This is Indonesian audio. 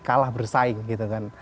kalah bersaing gitu kan